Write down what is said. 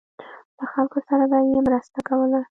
له خلکو سره به یې مرسته کوله.